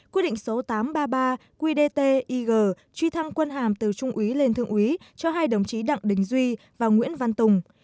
quyết định số tám trăm ba mươi ba qdtig truy thăng quân hàm từ trung úy lên thượng úy cho hai đồng chí đặng đình duy và nguyễn văn tùng